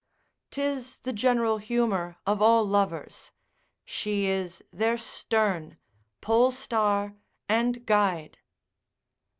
'Tis the general humour of all lovers, she is their stern, pole star, and guide.